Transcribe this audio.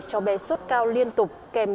cho bé suốt cao liên tục kèm